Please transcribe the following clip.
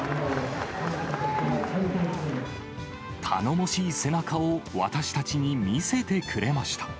頼もしい背中を私たちに見せてくれました。